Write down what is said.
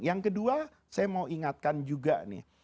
yang kedua saya mau ingatkan juga nih